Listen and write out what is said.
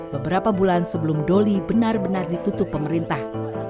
beberapa bulan sebelum doli benar benar ditutup pemerintah